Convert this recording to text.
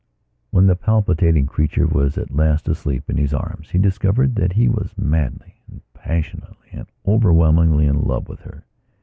When the palpitating creature was at last asleep in his arms he discovered that he was madly, was passionately, was overwhelmingly in love with her.